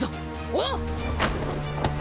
おう！